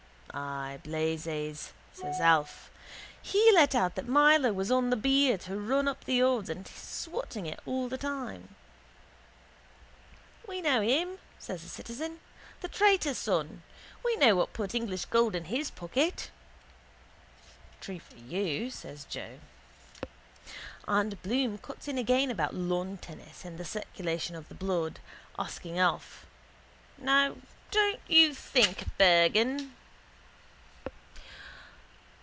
—Ay, Blazes, says Alf. He let out that Myler was on the beer to run up the odds and he swatting all the time. —We know him, says the citizen. The traitor's son. We know what put English gold in his pocket. —True for you, says Joe. And Bloom cuts in again about lawn tennis and the circulation of the blood, asking Alf: —Now, don't you think, Bergan?